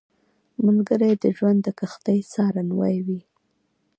ملګری د ژوند د کښتۍ سارنوی وي